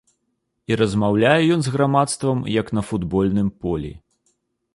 І размаўляе ён з грамадствам як на футбольным полі.